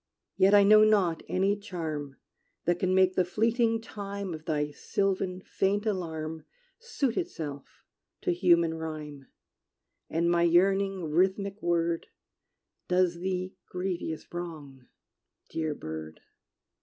Yet I know not any charm That can make the fleeting time Of thy sylvan, faint alarm Suit itself to human rhyme: And my yearning rhythmic word, Does thee grievous wrong, dear bird.